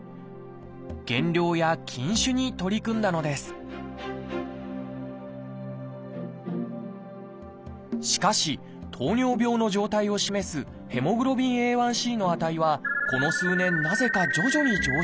減量や禁酒に取り組んだのですしかし糖尿病の状態を示すＨｂＡ１ｃの値はこの数年なぜか徐々に上昇。